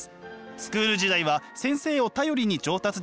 スクール時代は先生を頼りに上達できました。